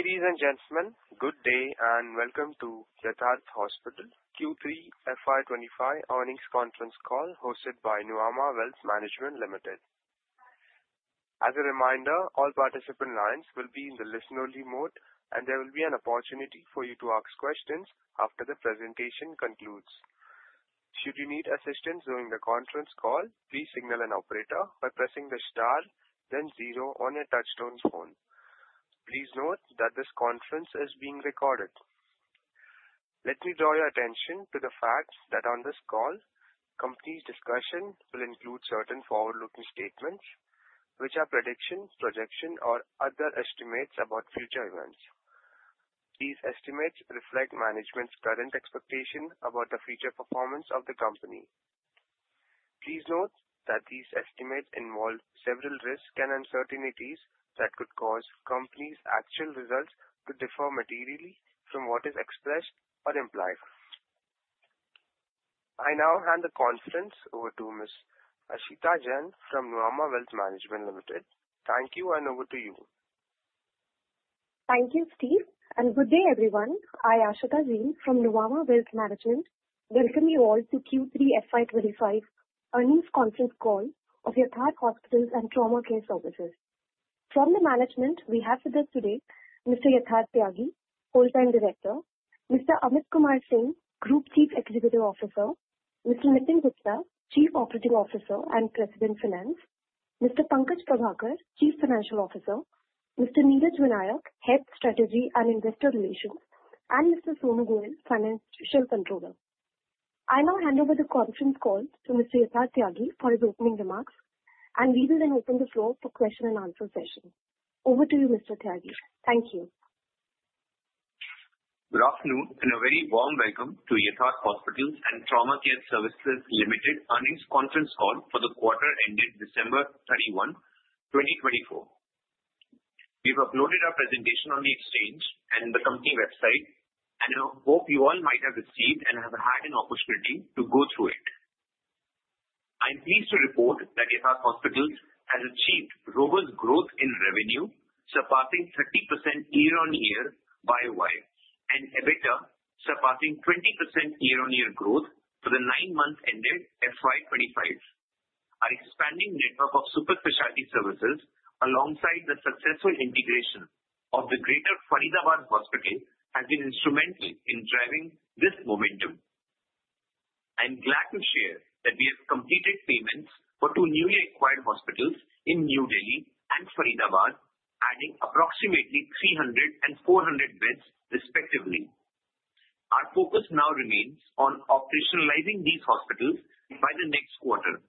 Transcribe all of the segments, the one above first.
Ladies and gentlemen, good day and welcome to Yatharth Hospital Q3 FY2025 Earnings Conference Call hosted by Nuvama Wealth Management Limited. As a reminder, all participant lines will be in the listen-only mode, and there will be an opportunity for you to ask questions after the presentation concludes. Should you need assistance during the conference call, please signal an operator by pressing the star, then zero on your touch-tone phone. Please note that this conference is being recorded. Let me draw your attention to the fact that on this call, company's discussion will include certain forward-looking statements, which are predictions, projections, or other estimates about future events. These estimates reflect management's current expectations about the future performance of the company. Please note that these estimates involve several risks and uncertainties that could cause company's actual results to differ materially from what is expressed or implied. I now hand the conference over to Ms. Aashita Jain from Nuvama Wealth Management Limited. Thank you, and over to you. Thank you, Steve. Good day, everyone. I am Aashita Jain from Nuvama Wealth Management. Welcome you all to Q3 FY2025 earnings conference call of Yatharth Hospital & Trauma Care Services. From the management, we have with us today Mr. Yatharth Tyagi, Full-Time Director, Mr. Amit Kumar Singh, Group Chief Executive Officer, Mr. Nitin Gupta, Chief Operating Officer and President of Finance, Mr. Pankaj Prabhakar, Chief Financial Officer, Mr. Neeraj Vinayak, Head of Strategy and Investor Relations, and Mr. Sonu Goyal, Financial Controller. I now hand over the conference call to Mr. Yatharth Tyagi for his opening remarks, and we will then open the floor for question-and-answer session. Over to you, Mr. Tyagi. Thank you. Good afternoon, and a very warm welcome to Yatharth Hospital & Trauma Care Services Limited earnings conference call for the quarter ending December 31, 2024. We have uploaded our presentation on the Exchange and the company website, and I hope you all might have received and have had an opportunity to go through it. I'm pleased to report that Yatharth Hospital has achieved robust growth in revenue, surpassing 30% year-on-year YoY, and EBITDA surpassing 20% year-on-year growth for the nine-month ending FY2025. Our expanding network of super-specialty services, alongside the successful integration of the greater Faridabad Hospital, has been instrumental in driving this momentum. I'm glad to share that we have completed payments for two newly acquired hospitals in New Delhi and Faridabad, adding approximately 300 and 400 beds, respectively. Our focus now remains on operationalizing these hospitals by the next quarter.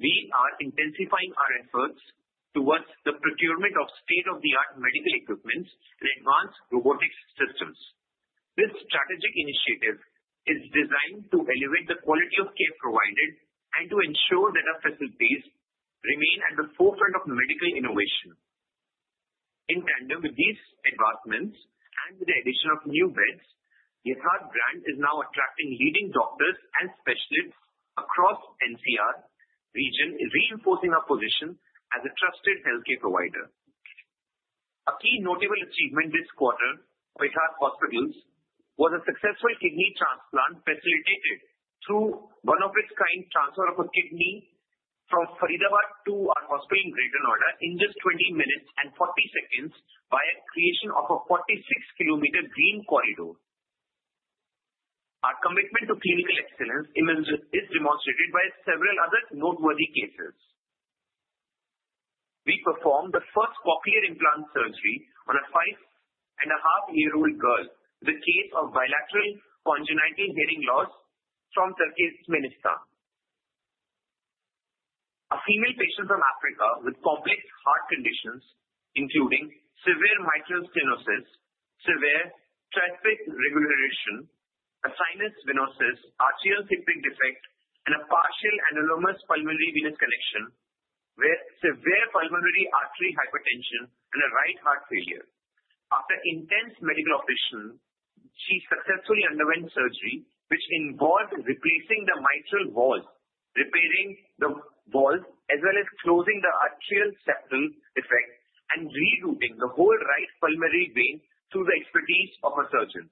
We are intensifying our efforts towards the procurement of state-of-the-art medical equipment and advanced robotics systems. This strategic initiative is designed to elevate the quality of care provided and to ensure that our facilities remain at the forefront of medical innovation. In tandem with these advancements and the addition of new beds, Yatharth brand is now attracting leading doctors and specialists across the NCR region, reinforcing our position as a trusted healthcare provider. A key notable achievement this quarter for Yatharth Hospitals was a successful kidney transplant facilitated through one-of-a-kind transfer of a kidney from Faridabad to our hospital in Greater Noida in just 20 minutes and 40 seconds via creation of a 46-kilometer Green Corridor. Our commitment to clinical excellence is demonstrated by several other noteworthy cases. We performed the first cochlear implant surgery on a five-and-a-half-year-old girl with a case of bilateral congenital hearing loss from Turkmenistan. A female patient from Africa with complex heart conditions, including severe mitral stenosis, severe tricuspid regurgitation, a sinus venosus atrial septal defect, and a partial anomalous pulmonary venous connection, with severe pulmonary artery hypertension and a right heart failure. After intense medical operation, she successfully underwent surgery, which involved replacing the mitral valve, repairing the valve, as well as closing the atrial septal defect and rerouting the whole right pulmonary vein through the expertise of a surgeon.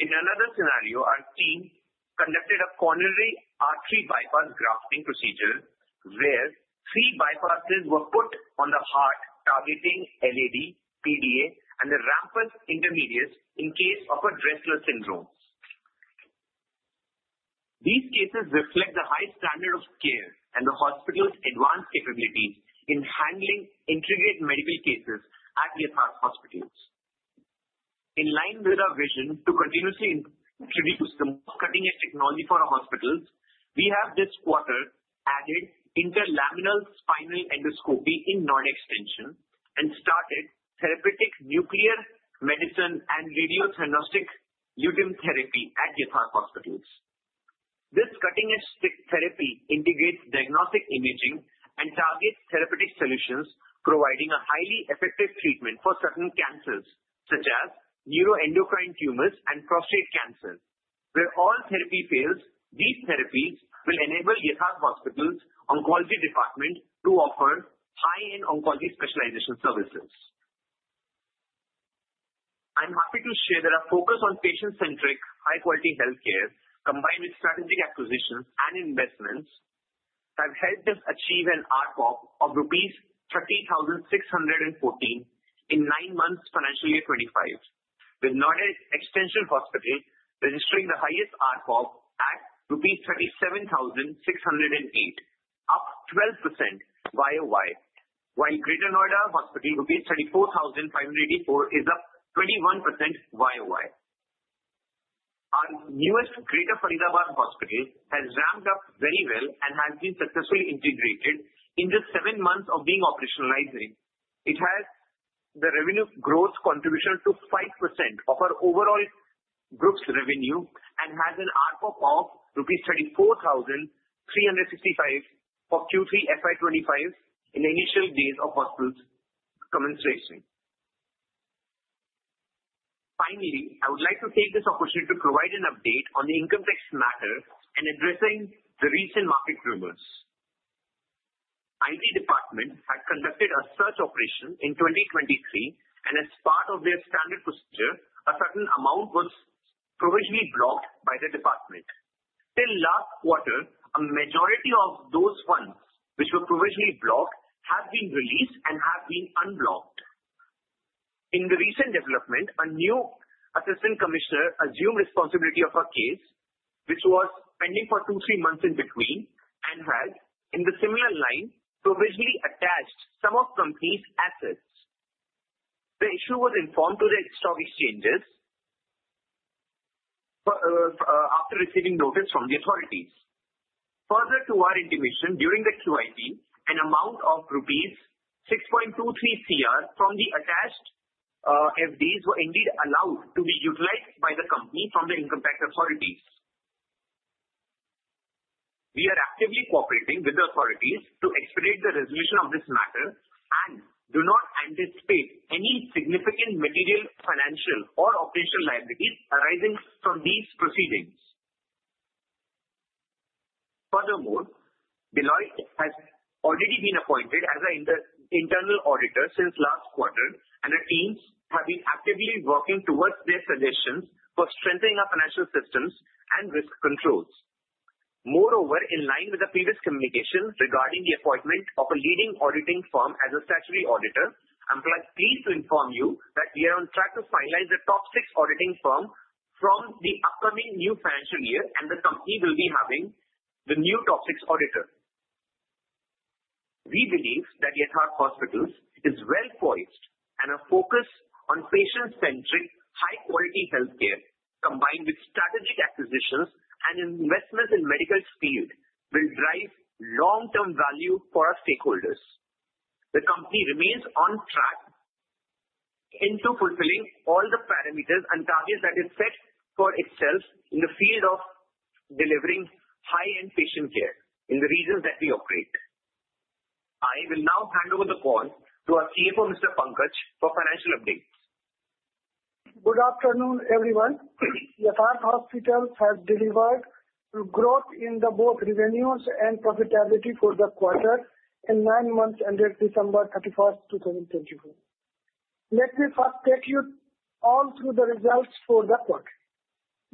In another scenario, our team conducted a coronary artery bypass grafting procedure, where three bypasses were put on the heart, targeting LAD, PDA, and the ramus intermedius in case of a Dressler Syndrome. These cases reflect the high standard of care and the hospital's advanced capabilities in handling intricate medical cases at Yatharth Hospitals. In line with our vision to continuously introduce the most cutting-edge technology for our hospitals, we have this quarter added interlaminar spinal endoscopy in Noida Extension and started therapeutic nuclear medicine and Lutetium-177 therapy at Yatharth Hospitals. This cutting-edge therapy integrates diagnostic imaging and targets therapeutic solutions, providing a highly effective treatment for certain cancers, such as neuroendocrine tumors and prostate cancer. Where all therapy fails, these therapies will enable Yatharth Hospital's oncology department to offer high-end oncology specialization services. I'm happy to share that our focus on patient-centric, high-quality healthcare, combined with strategic acquisitions and investments, has helped us achieve an ARPOB of rupees 30,614 in nine months financial year 2025, with Noida Extension Hospital registering the highest ARPOB at rupees 37,608, up 12% YoY, while Greater Noida Hospital, rupees 34,584, is up 21% YoY. Our newest Greater Faridabad Hospital has ramped up very well and has been successfully integrated. In just seven months of being operationalized, it has the revenue growth contribution to 5% of our overall group's revenue and has an ARPOB of 34,365 rupees for Q3 FY2025 in the initial days of hospital commencement. Finally, I would like to take this opportunity to provide an update on the income tax matter and addressing the recent market rumors. The IT department has conducted a search operation in 2023, and as part of their standard procedure, a certain amount was provisionally blocked by the department. Till last quarter, a majority of those funds, which were provisionally blocked, have been released and have been unblocked. In the recent development, a new Assistant Commissioner assumed responsibility for a case, which was pending for two to three months in between, and has, in a similar line, provisionally attached some of the company's assets. The issue was informed to the stock exchanges after receiving notice from the authorities. Further to our intimation, during the QIP, an amount of rupees 6.23 crore from the attached FDs was indeed allowed to be utilized by the company from the income tax authorities. We are actively cooperating with the authorities to expedite the resolution of this matter and do not anticipate any significant material, financial, or operational liabilities arising from these proceedings. Furthermore, Deloitte has already been appointed as an internal auditor since last quarter, and our teams have been actively working towards their suggestions for strengthening our financial systems and risk controls. Moreover, in line with the previous communication regarding the appointment of a leading auditing firm as a statutory auditor, I'm pleased to inform you that we are on track to finalize the top six auditing firms from the upcoming new financial year, and the company will be having the new top six auditor. We believe that Yatharth Hospitals is well poised, and our focus on patient-centric, high-quality healthcare, combined with strategic acquisitions and investments in the medical field, will drive long-term value for our stakeholders. The company remains on track into fulfilling all the parameters and targets that it set for itself in the field of delivering high-end patient care in the regions that we operate. I will now hand over the call to our CFO, Mr. Pankaj, for financial updates. Good afternoon, everyone. Yatharth Hospitals has delivered growth in both revenues and profitability for the quarter and nine months ended December 31, 2024. Let me first take you all through the results for the quarter.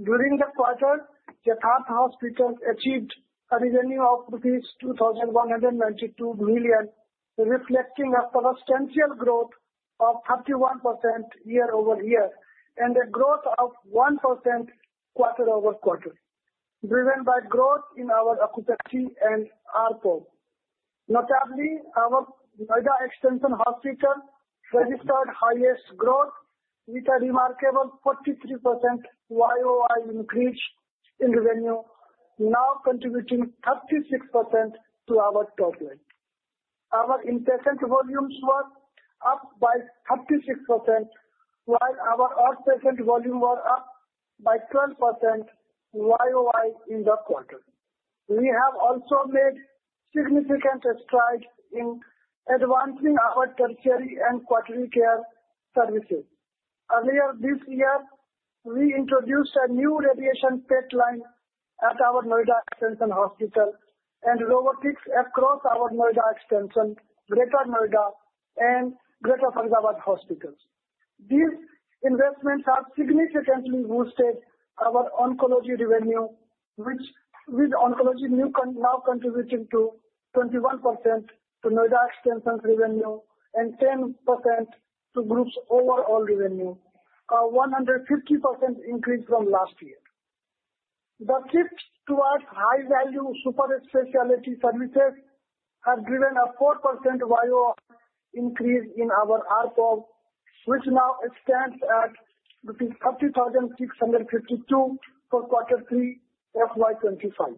During the quarter, Yatharth Hospitals achieved a revenue of rupees 2,192 million, reflecting a substantial growth of 31% year-over-year and a growth of 1% quarter-over-quarter, driven by growth in our occupancy and ARPOB. Notably, our Noida Extension Hospital registered highest growth with a remarkable 43% YoY increase in revenue, now contributing 36% to our top line. Our inpatient volumes were up by 36%, while our outpatient volume was up by 12% YoY in the quarter. We have also made significant strides in advancing our tertiary and quaternary care services. Earlier this year, we introduced a new radiation pipeline at our Noida Extension Hospital and robotics across our Noida Extension, Greater Noida, and Greater Faridabad Hospitals. These investments have significantly boosted our Oncology revenue, with Oncology now contributing to 21% to Noida Extension's revenue and 10% to group's overall revenue, a 150% increase from last year. The shift towards high-value super-specialty services has driven a 4% YoY increase in our ARPOB, which now stands at rupees 30,652 for quarter three FY2025.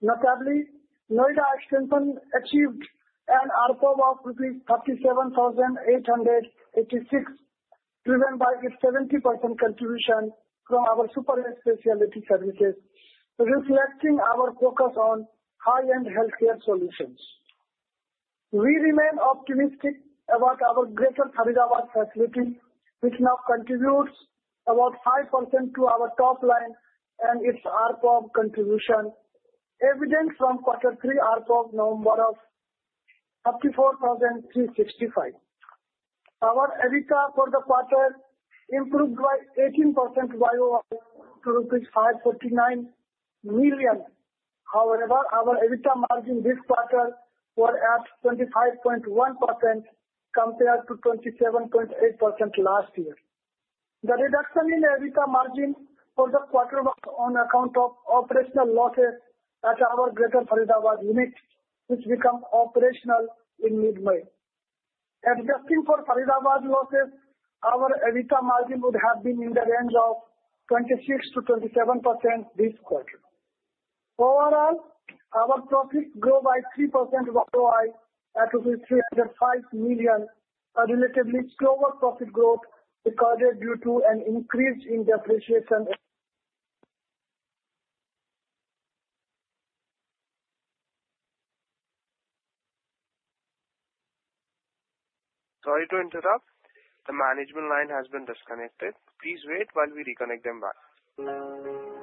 Notably, Noida Extension achieved an ARPOB of rupees 37,886, driven by its 70% contribution from our super-specialty services, reflecting our focus on high-end healthcare solutions. We remain optimistic about our Greater Faridabad facility, which now contributes about 5% to our top line and its ARPOB contribution, evident from quarter three ARPOB number of INR 34,365. Our EBITDA for the quarter improved by 18% YoY to rupees 549 million. However, our EBITDA margin this quarter was at 25.1% compared to 27.8% last year. The reduction in EBITDA margin for the quarter was on account of operational losses at our Greater Faridabad unit, which became operational in mid-May. Adjusting for Faridabad losses, our EBITDA margin would have been in the range of 26%-27% this quarter. Overall, our profits grew by 3% YoY at rupees 305 million, a relatively slower profit growth recorded due to an increase in depreciation. Sorry to interrupt. The management line has been disconnected. Please wait while we reconnect them back.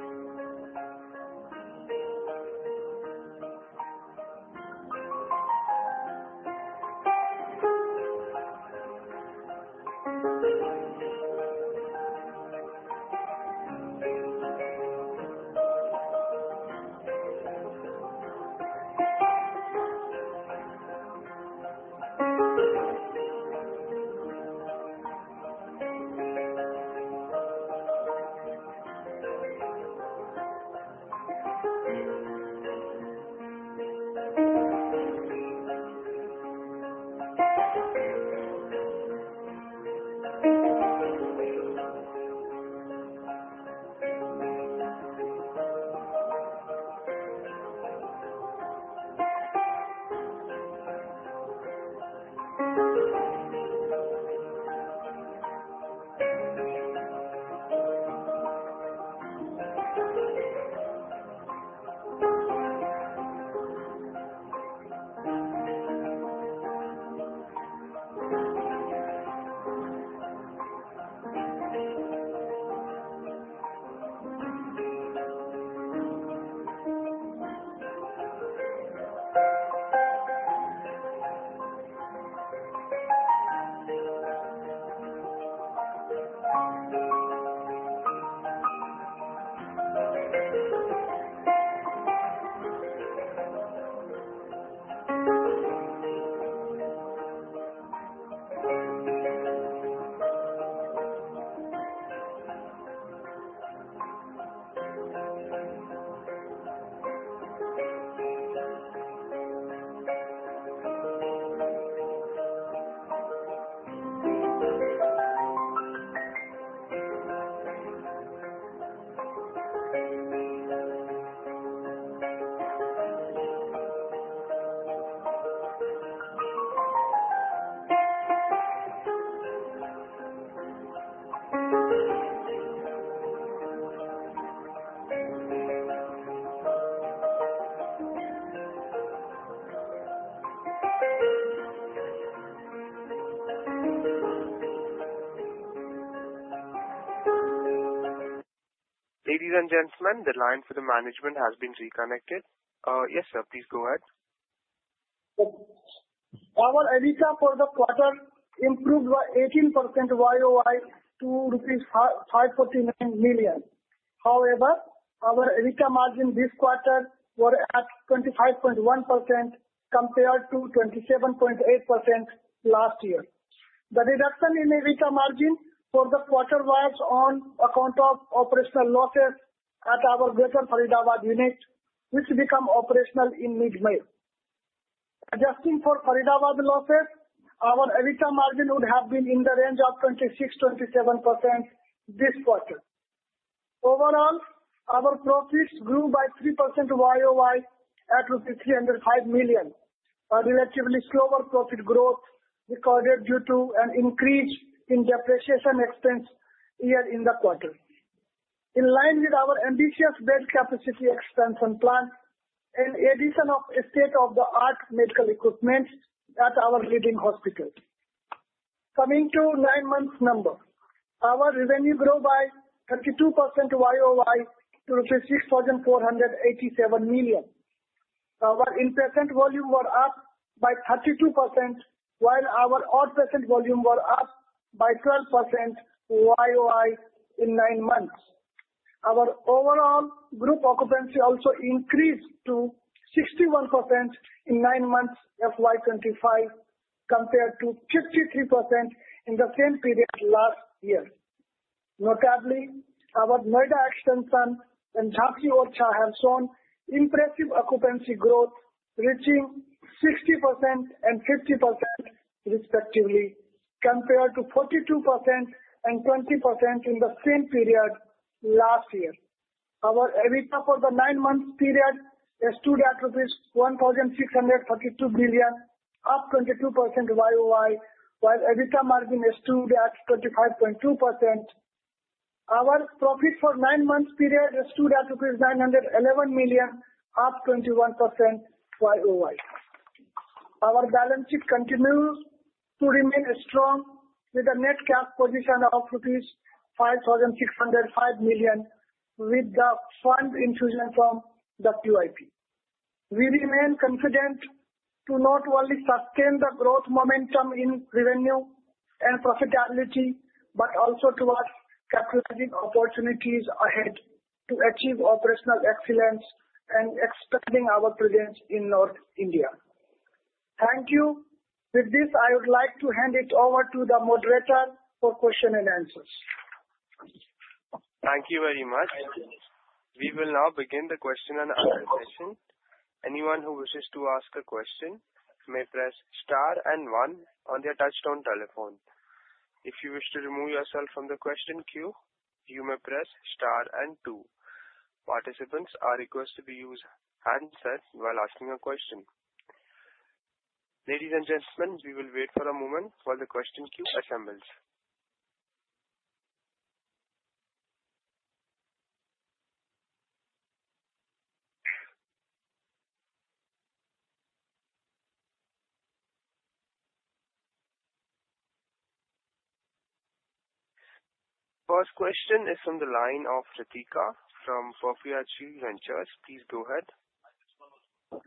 Ladies and gentlemen, the line for the management has been reconnected. Yes, sir, please go ahead. Our EBITDA for the quarter improved by 18% YoY to rupees 549 million. However, our EBITDA margin this quarter was at 25.1% compared to 27.8% last year. The reduction in EBITDA margin for the quarter was on account of operational losses at our Greater Faridabad unit, which became operational in mid-May. Adjusting for Faridabad losses, our EBITDA margin would have been in the range of 26%-27% this quarter. Overall, our profits grew by 3% YoY at 305 million, a relatively slower profit growth recorded due to an increase in depreciation expense year-end quarter. In line with our ambitious bed capacity expansion plan and the addition of state-of-the-art medical equipment at our leading hospitals. Coming to nine months number, our revenue grew by 32% YoY to rupees 6,487 million. Our inpatient volume was up by 32%, while our outpatient volume was up by 12% YoY in nine months. Our overall group occupancy also increased to 61% in nine months FY2025 compared to 53% in the same period last year. Notably, our Noida Extension and Orchha have shown impressive occupancy growth, reaching 60% and 50%, respectively, compared to 42% and 20% in the same period last year. Our EBITDA for the nine-month period stood at rupees 1,632 million, up 22% YoY, while EBITDA margin stood at 25.2%. Our profit for nine-month period stood at rupees 911 million, up 21% YoY. Our balance sheet continues to remain strong with a net cash position of rupees 5,605 million with the fund infusion from the QIP. We remain confident to not only sustain the growth momentum in revenue and profitability but also to capitalize on opportunities ahead to achieve operational excellence and expanding our presence in North India. Thank you. With this, I would like to hand it over to the moderator for questions and answers. Thank you very much. We will now begin the question and answer session. Anyone who wishes to ask a question may press star and one on their touch-tone telephone. If you wish to remove yourself from the question queue, you may press star and two. Participants are requested to use handsets while asking a question. Ladies and gentlemen, we will wait for a moment while the question queue assembles. First question is from the line of Ritika from Perpetuity Ventures. Please go ahead.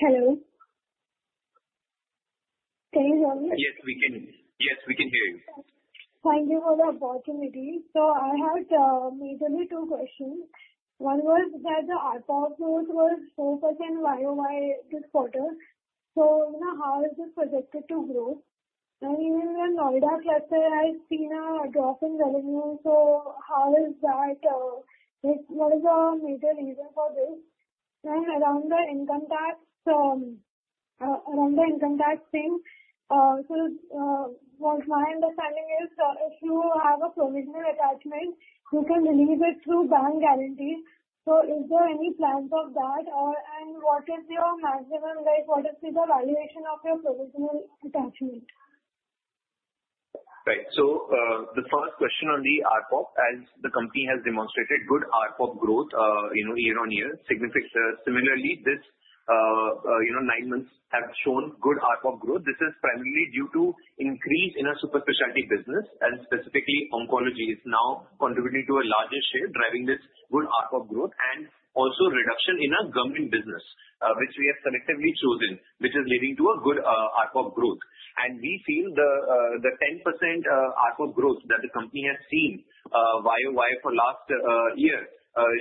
Hello. Can you hear me? Yes, we can. Yes, we can hear you. Thank you for the opportunity. I have made only two questions. One was that the ARPOB growth was 4% YoY this quarter. How is this projected to grow? Even when Noida Extension has seen a drop in revenue, how is that? What is the major reason for this? Around the income tax thing, my understanding is if you have a provisional attachment, you can release it through bank guarantee. Is there any plans of that? What is your maximum rate? What is the valuation of your provisional attachment? Right. So the first question on the ARPOB, as the company has demonstrated good ARPOB growth year-on-year. Similarly, these nine months have shown good ARPOB growth. This is primarily due to an increase in our super-specialty business, and specifically, oncology is now contributing to a larger share, driving this good ARPOB growth and also reduction in our government business, which we have selectively chosen, which is leading to a good ARPOB growth. And we feel the 10% ARPOB growth that the company has seen YoY for last year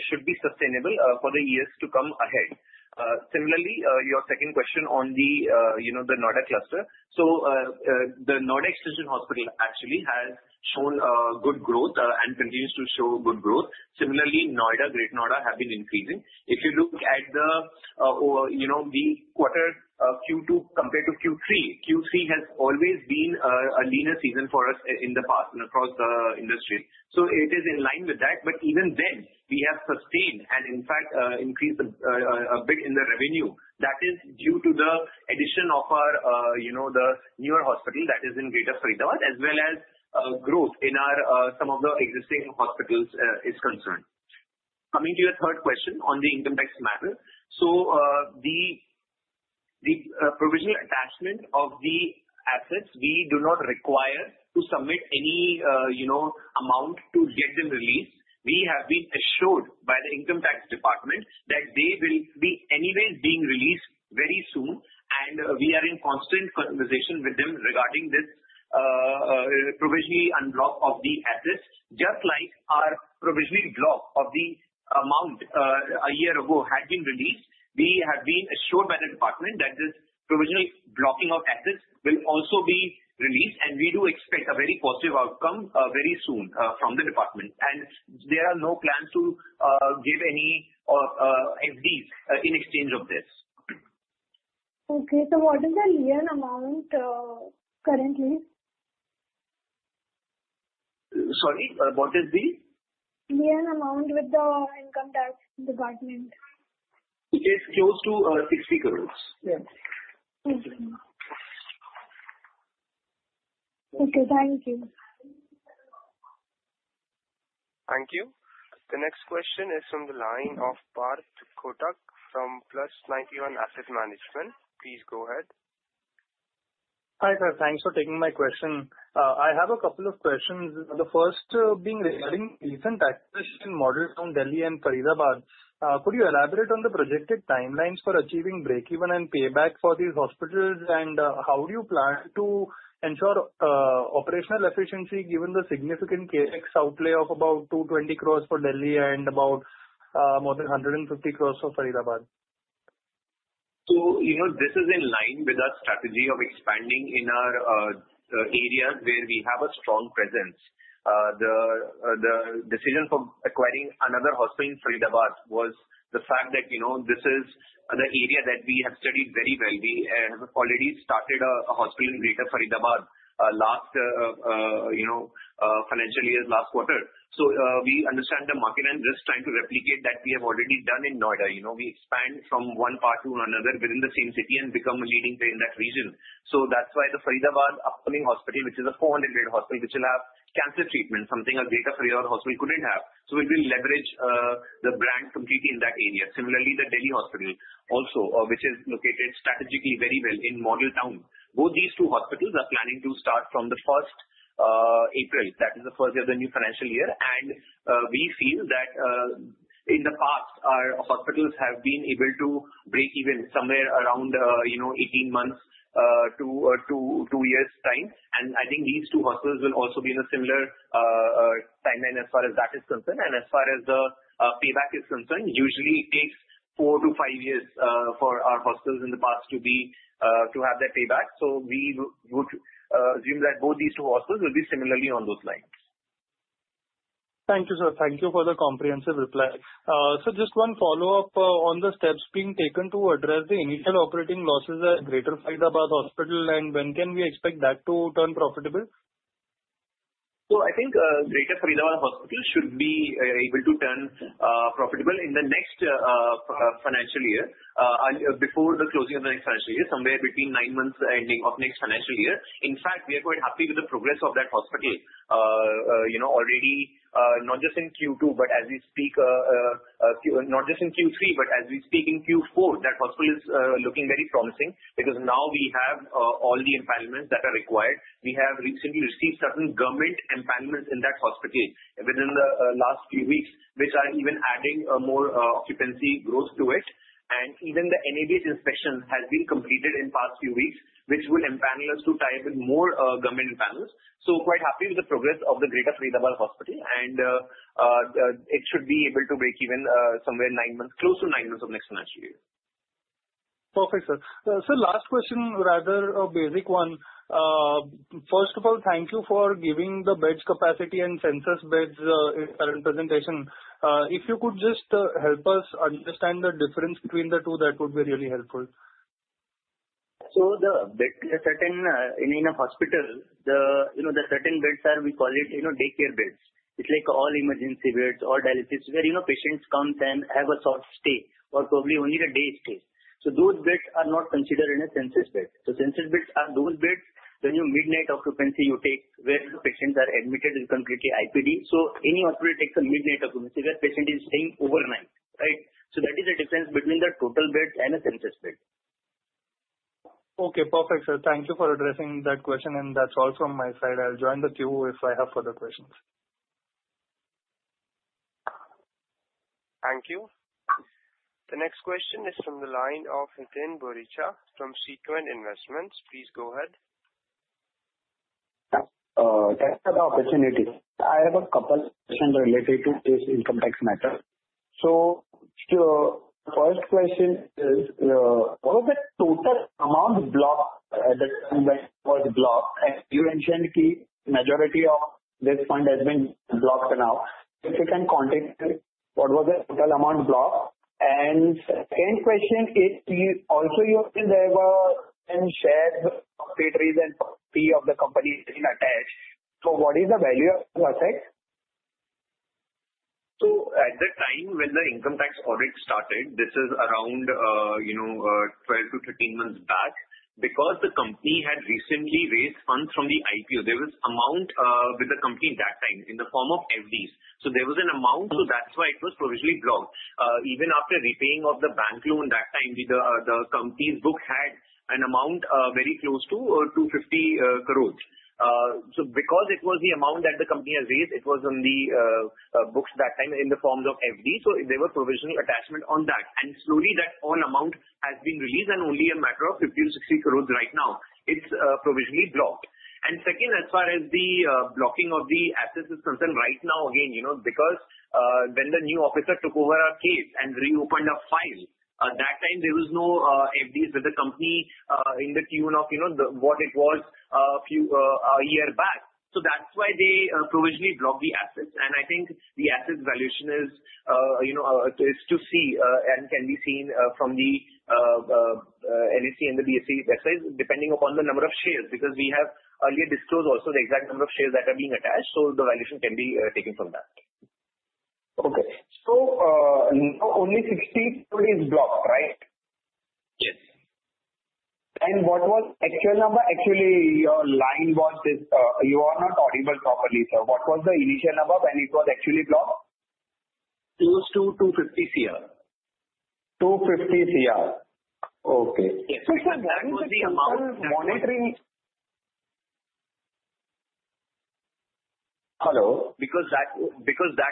should be sustainable for the years to come ahead. Similarly, your second question on the Noida Cluster. So the Noida Extension Hospital actually has shown good growth and continues to show good growth. Similarly, Noida, Greater Noida have been increasing. If you look at the quarter Q2 compared to Q3, Q3 has always been a leaner season for us in the past and across the industry. So it is in line with that. But even then, we have sustained and, in fact, increased a bit in the revenue. That is due to the addition of the newer hospital that is in Greater Faridabad, as well as growth in some of the existing hospitals is concerned. Coming to your third question on the income tax matter, so the provisional attachment of the assets, we do not require to submit any amount to get them released. We have been assured by the Income Tax Department that they will be anyway being released very soon, and we are in constant conversation with them regarding this provisionally unblock of the assets. Just like our provisional block of the amount a year ago had been released, we have been assured by the department that this provisional blocking of assets will also be released, and we do expect a very positive outcome very soon from the department, and there are no plans to give any FDs in exchange of this. Okay, so what is the lien amount currently? Sorry? What is the? Lien amount with the Income Tax Department? It's close to INR 600,000,000. Yes. Okay. Thank you. Thank you. The next question is from the line of Parth Kotak from Plus91 Asset Management. Please go ahead. Hi, sir. Thanks for taking my question. I have a couple of questions. The first being regarding recent acquisition Model Town from Delhi and Faridabad. Could you elaborate on the projected timelines for achieving break-even and payback for these hospitals, and how do you plan to ensure operational efficiency given the significant CapEx outlay of about 220 crores for Delhi and about more than 150 crores for Faridabad? So this is in line with our strategy of expanding in our area where we have a strong presence. The decision for acquiring another hospital in Faridabad was the fact that this is an area that we have studied very well. We have already started a hospital in Greater Faridabad last financial year, last quarter. So we understand the market and risk trying to replicate that we have already done in Noida. We expand from one part to another within the same city and become a leading player in that region. So that's why the Faridabad upcoming hospital, which is a 400-bed hospital, which will have cancer treatment, something a Greater Faridabad hospital couldn't have. So we will leverage the brand completely in that area. Similarly, the Delhi hospital also, which is located strategically very well in Model Town. Both these two hospitals are planning to start from the 1st April. That is the first year of the new financial year, and we feel that in the past, our hospitals have been able to break even somewhere around 18 months to two years' time, and I think these two hospitals will also be in a similar timeline as far as that is concerned, and as far as the payback is concerned, usually it takes four to five years for our hospitals in the past to have their payback, so we would assume that both these two hospitals will be similarly on those lines. Thank you, sir. Thank you for the comprehensive reply. So just one follow-up on the steps being taken to address the initial operating losses at Greater Faridabad Hospital, and when can we expect that to turn profitable? So I think Greater Faridabad Hospital should be able to turn profitable in the next financial year before the closing of the next financial year, somewhere between nine months ending of next financial year. In fact, we are quite happy with the progress of that hospital already, not just in Q2, but as we speak not just in Q3, but as we speak in Q4, that hospital is looking very promising because now we have all the empowerments that are required. We have recently received certain government empowerments in that hospital within the last few weeks, which are even adding more occupancy growth to it. And even the NABH inspection has been completed in the past few weeks, which will empower us to tie up with more government empowerments. So quite happy with the progress of the Greater Faridabad Hospital, and it should be able to break even somewhere close to nine months of next financial year. Perfect, sir. So last question, rather a basic one. First of all, thank you for giving the beds capacity and census beds in the presentation. If you could just help us understand the difference between the two, that would be really helpful. So, the beds in a hospital, the certain beds are, we call it daycare beds. It's like all emergency beds, all dialysis, where patients come and have a short stay or probably only a day stay. So those beds are not considered in a census bed. So census beds are those beds when you midnight occupancy you take where patients are admitted in completely IPD. So any hospital takes a midnight occupancy where patient is staying overnight, right? So that is the difference between the total bed and a census bed. Okay. Perfect, sir. Thank you for addressing that question, and that's all from my side. I'll join the queue if I have further questions. Thank you. The next question is from the line of Hiten Boricha from Sequent Investments. Please go ahead. Thanks for the opportunity. I have a couple of questions related to this income tax matter. So the first question is, what was the total amount blocked at the time when it was blocked? And you mentioned the majority of this fund has been blocked now. If you can comment, what was the total amount blocked? And second question, if there are also shared properties and FDs of the company being attached, so what is the value of assets? At that time when the income tax audit started, this is around 12-13 months back, because the company had recently raised funds from the IPO, there was amount with the company that time in the form of FDs. So there was an amount, so that's why it was provisionally blocked. Even after repaying of the bank loan that time, the company's book had an amount very close to 250 crores. So because it was the amount that the company has raised, it was on the books that time in the form of FDs. So there was provisional attachment on that. And slowly, that all amount has been released and only a matter of 50-60 crores right now. It's provisionally blocked. And second, as far as the blocking of the assets is concerned right now, again, because when the new officer took over our case and reopened our file, at that time, there were no FDs with the company to the tune of what it was a year back. So that's why they provisionally blocked the assets. And I think the asset valuation is to see and can be seen from the NSE and the BSE website, depending upon the number of shares, because we have earlier disclosed also the exact number of shares that are being attached, so the valuation can be taken from that. Okay. So only 60 crores is blocked, right? Yes. And what was the actual number? Actually, your line was you are not audible properly, sir. What was the initial number when it was actually blocked? It was 250 CR. 250 crore. Okay. Yes. So sir, that is the amount monitoring. Hello? Because that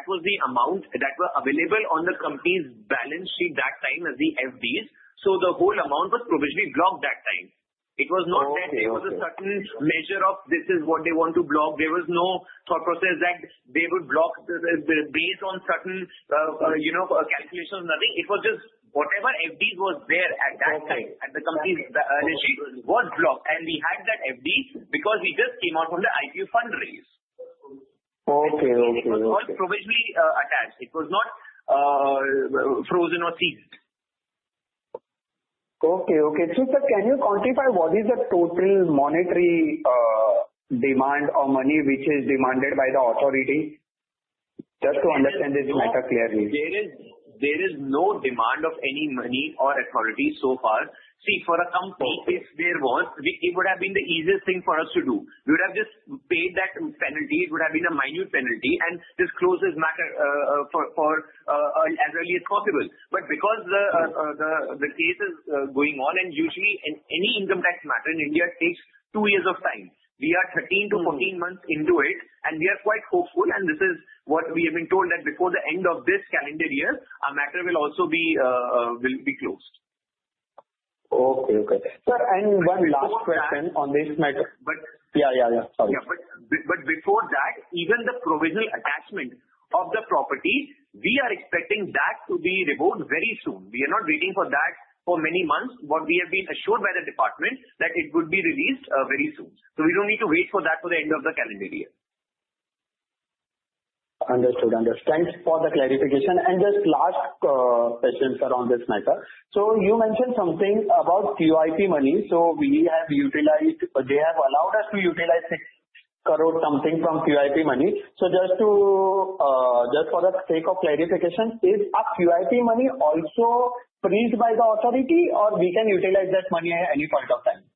was the amount that was available on the company's balance sheet that time as the FDs. So the whole amount was provisionally blocked that time. It was not that there was a certain measure of this is what they want to block. There was no thought process that they would block based on certain calculations on the thing. It was just whatever FDs was there at that time. Okay. At the company's balance sheet was blocked, and we had that FD because we just came out from the IPO fundraise. Okay. Okay. It was provisionally attached. It was not frozen or seized. Sir, can you quantify what is the total monetary demand or money which is demanded by the authority? Just to understand this matter clearly. There is no demand of any money or authority so far. See, for a company, if there was, it would have been the easiest thing for us to do. We would have just paid that penalty. It would have been a minute penalty and just close this matter as early as possible. But because the case is going on, and usually any income tax matter in India takes two years of time, we are 13 to 14 months into it, and we are quite hopeful. And this is what we have been told that before the end of this calendar year, our matter will also be closed. Okay. Sir, and one last question on this matter. But. Yeah, yeah, yeah. Sorry. Yeah, but before that, even the provisional attachment of the property, we are expecting that to be revoked very soon. We are not waiting for that for many months. What we have been assured by the department is that it would be released very soon, so we don't need to wait for that for the end of the calendar year. Understood. Thanks for the clarification. And just last question around this matter. So you mentioned something about QIP money. So we have utilized. They have allowed us to utilize 60 crores something from QIP money. So just for the sake of clarification, is QIP money also freed by the authority, or we can utilize that money at any point of time?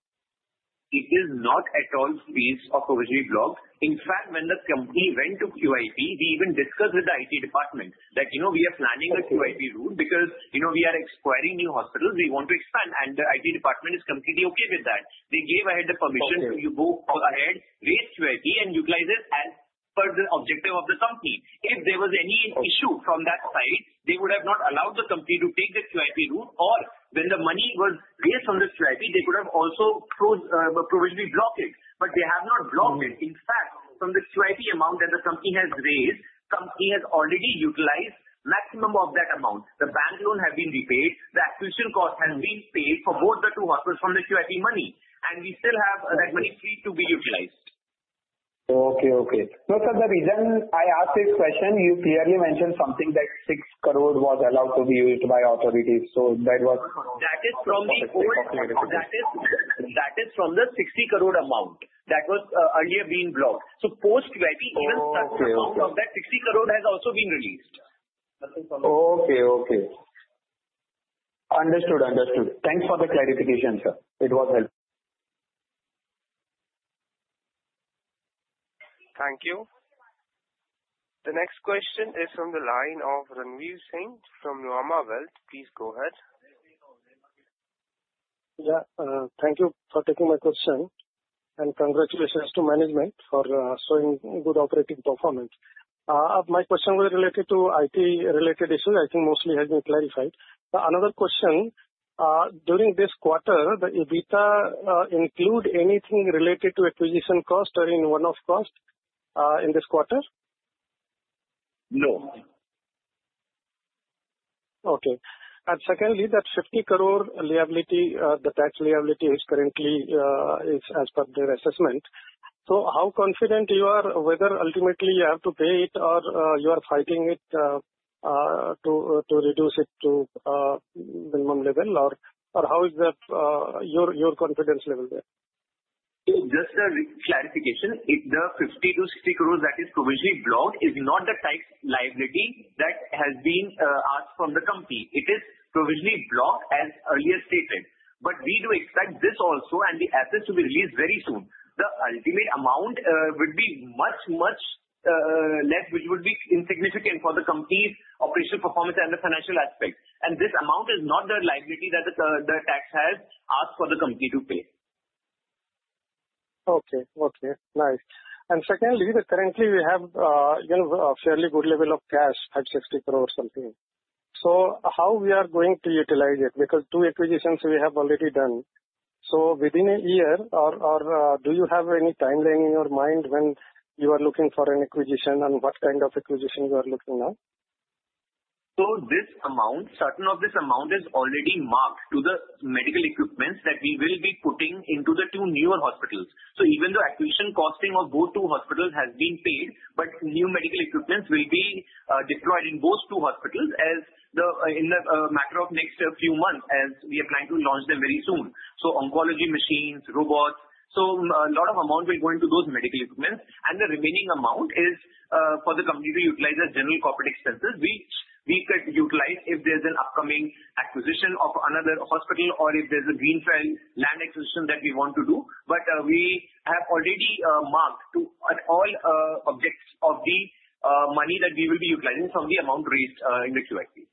It is not at all seized or provisionally blocked. In fact, when the company went to QIP, we even discussed with the IT department that we are planning a QIP route because we are acquiring new hospitals. We want to expand, and the IT department is completely okay with that. They gave the go-ahead permission to go ahead, raise QIP, and utilize it as per the objective of the company. If there was any issue from that side, they would have not allowed the company to take the QIP route, or when the money was raised from the QIP, they could have also provisionally blocked it, but they have not blocked it. In fact, from the QIP amount that the company has raised, the company has already utilized maximum of that amount. The bank loan has been repaid. The acquisition cost has been paid for both the two hospitals from the QIP money, and we still have that money free to be utilized. So, sir, the reason I asked this question, you clearly mentioned something that 60 crores was allowed to be used by authorities. So that was. That is from the old. That is from the old. That is from the 60 crores amount that was earlier being blocked. So post-QIP, even such amount of that 60 crores has also been released. Okay. Understood. Thanks for the clarification, sir. It was helpful. Thank you. The next question is from the line of Ravnir Singh from Nuvama Wealth. Please go ahead. Yeah. Thank you for taking my question, and congratulations to management for showing good operating performance. My question was related to IT-related issues. I think mostly has been clarified. Another question. During this quarter, did the EBITDA include anything related to acquisition cost or in one-off cost in this quarter? No. Okay. And secondly, that 50 crores liability, the tax liability is currently as per their assessment. So how confident you are whether ultimately you have to pay it or you are fighting it to reduce it to minimum level, or how is your confidence level there? Just a clarification. The 50-60 crores that is provisionally blocked is not the tax liability that has been asked from the company. It is provisionally blocked as earlier stated. But we do expect this also and the assets to be released very soon. The ultimate amount would be much, much less, which would be insignificant for the company's operational performance and the financial aspect. And this amount is not the liability that the tax has asked for the company to pay. Okay. Nice. And secondly, currently we have a fairly good level of cash, 50-60 crores something. So how we are going to utilize it? Because two acquisitions we have already done. So within a year, or do you have any timeline in your mind when you are looking for an acquisition and what kind of acquisition you are looking at? This amount, certain of this amount is already marked to the medical equipment that we will be putting into the two newer hospitals. Even though acquisition costing of both two hospitals has been paid, but new medical equipment will be deployed in both two hospitals within the next few months as we are planning to launch them very soon. Oncology machines, robots. A lot of amount will go into those medical equipment. The remaining amount is for the company to utilize as general corporate expenses, which we could utilize if there's an upcoming acquisition of another hospital or if there's a greenfield land acquisition that we want to do. We have already marked all aspects of the money that we will be utilizing from the amount raised in the QIP.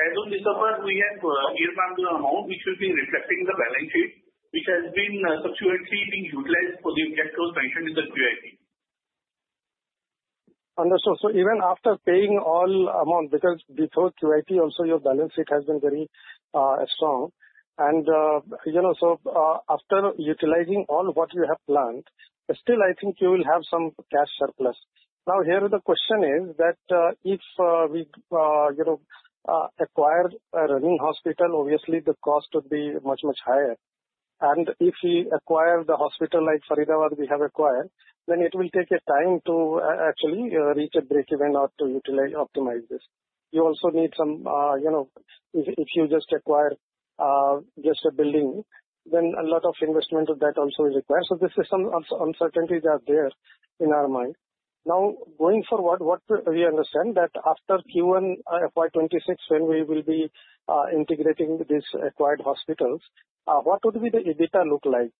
On this summer, we have earmarked the amount which will be reflected in the balance sheet, which has been subsequently being utilized for the objectives mentioned in the QIP. Understood. So even after paying all amount, because before QIP, also your balance sheet has been very strong. And so after utilizing all what you have planned, still I think you will have some cash surplus. Now, here the question is that if we acquire a running hospital, obviously the cost would be much, much higher. And if we acquire the hospital like Faridabad we have acquired, then it will take a time to actually reach a breakeven or to optimize this. You also need some if you just acquire just a building, then a lot of investment of that also requires. So this is some uncertainties that are there in our mind. Now, going forward, what we understand that after Q1 FY2026, when we will be integrating these acquired hospitals, what would the EBITDA look like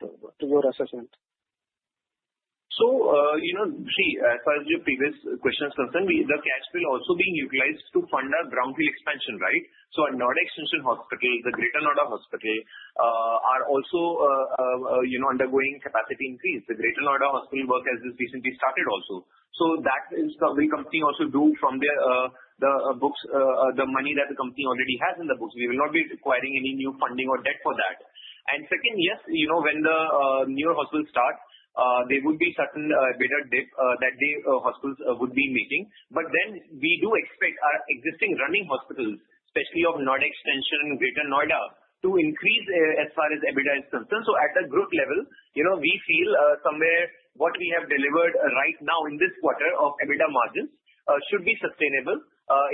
to your assessment? See, as far as your previous question is concerned, the cash will also be utilized to fund our brownfield expansion, right? A Noida Extension hospital, the Greater Noida Hospital, is also undergoing capacity increase. The Greater Noida Hospital work has just recently started also. So that is what the company also does from the books, the money that the company already has in the books. We will not be requiring any new funding or debt for that. And second, yes, when the newer hospitals start, there would be certain bad debt that the hospitals would be making. But then we do expect our existing running hospitals, especially in Noida Extension and Greater Noida, to increase as far as EBITDA is concerned. So at the gross level, we feel somewhere what we have delivered right now in this quarter of EBITDA margins should be sustainable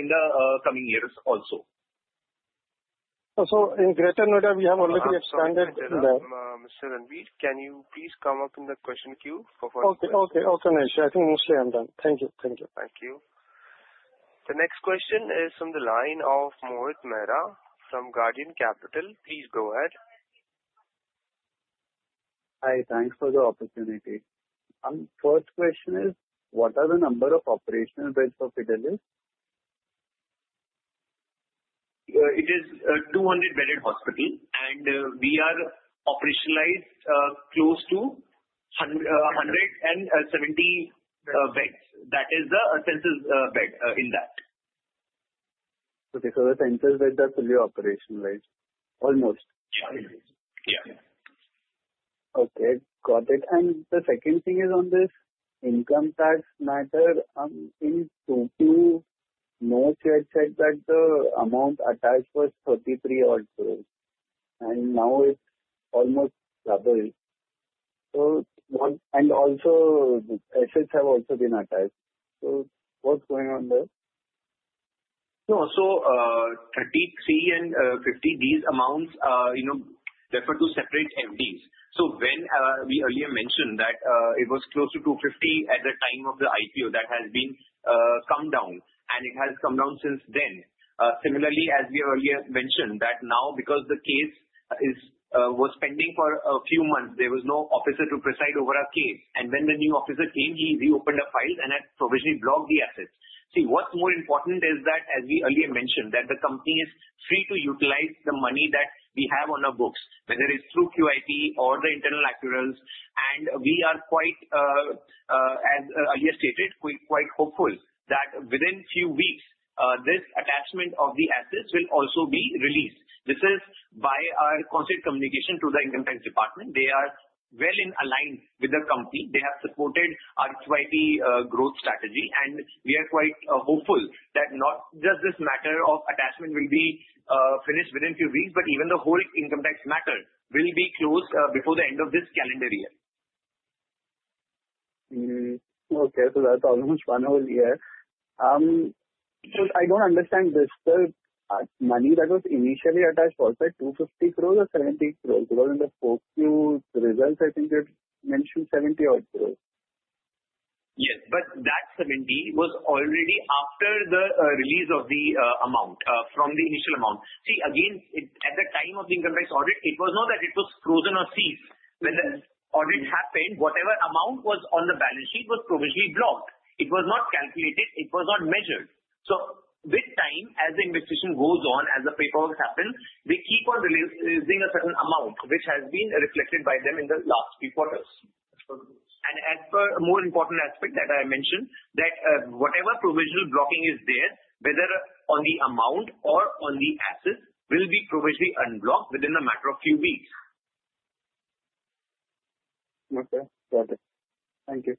in the coming years also. So in Greater Noida, we have already expanded that. Mr. Ranvir Singh, can you please come up in the question queue for? I think mostly I'm done. Thank you. Thank you. The next question is from the line of Mohit Mehra from Guardian Capital. Please go ahead. Hi. Thanks for the opportunity. First question is, what are the number of operational beds for Fidelis? It is a 200-bedded hospital, and we are operationalized close to 170 beds. That is the census bed in that. Okay. So the census beds are fully operationalized. Almost. Yeah. Yeah. Okay. Got it, and the second thing is on this income tax matter. In Q2, Nuvama said that the amount attached was 33 or so, and now it's almost doubled, and also, assets have also been attached, so what's going on there? No. So 33 and 50, these amounts are therefore two separate FDs. So when we earlier mentioned that it was close to 250 at the time of the IPO, that has come down. And it has come down since then. Similarly, as we earlier mentioned, that now because the case was pending for a few months, there was no officer to preside over our case. And when the new officer came, he reopened the files and had provisionally blocked the assets. See, what's more important is that, as we earlier mentioned, that the company is free to utilize the money that we have on our books, whether it's through QIP or the internal accruals. And we are quite, as earlier stated, quite hopeful that within a few weeks, this attachment of the assets will also be released. This is by our constant communication to the Income Tax Department. They are well in alignment with the company. They have supported our QIP growth strategy, and we are quite hopeful that not just this matter of attachment will be finished within a few weeks, but even the whole income tax matter will be closed before the end of this calendar year. Okay. So that's almost one whole year. So I don't understand this. The money that was initially attached was that 250 crores or 70 crores? Because in the focus results, I think you mentioned 70 crores. Yes. But that 70 was already after the release of the amount from the initial amount. See, again, at the time of the income tax audit, it was not that it was frozen or seized. When the audit happened, whatever amount was on the balance sheet was provisionally blocked. It was not calculated. It was not measured. So with time, as the investigation goes on, as the paperwork happens, they keep on releasing a certain amount, which has been reflected by them in the last few quarters. And as per a more important aspect that I mentioned, that whatever provisional blocking is there, whether on the amount or on the assets, will be provisionally unblocked within a matter of few weeks. Okay. Got it. Thank you.